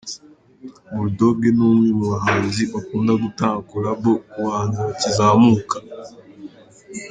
BullDogg ni umwe mu bahanzi bakunda gutanga collabo ku bahanzi bakizamuka.